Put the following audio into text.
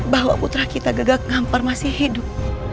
bahwa putra kita gegak ngampar masih hidup